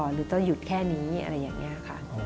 หรือต้องหยุดแค่นี้อะไรอย่างนี้ค่ะ